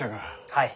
はい。